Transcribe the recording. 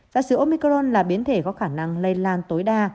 giả sử omicron là biến thể có khả năng lây lan tối đa